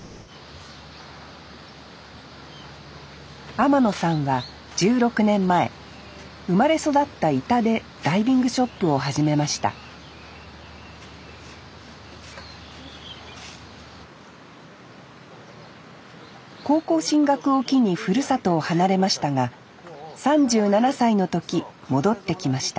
天野さんは１６年前生まれ育った井田でダイビングショップを始めました高校進学を機にふるさとを離れましたが３７歳の時戻ってきました